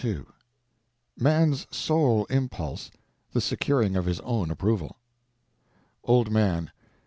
II Man's Sole Impulse—the Securing of His Own Approval Old Man.